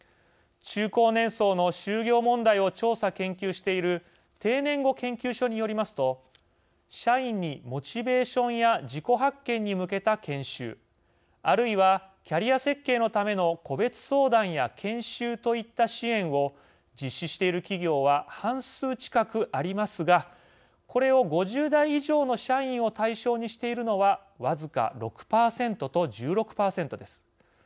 中高年層の就業問題を調査・研究している定年後研究所によりますと社員にモチベーションや自己発見に向けた研修あるいはキャリア設計のための個別相談や研修といった支援を実施している企業は半数近くありますがこれを５０代以上の社員を対象にしているのはわずか６％と１６％です。